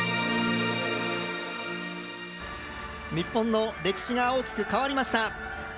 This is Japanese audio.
日本の歴史が大きく変わりました。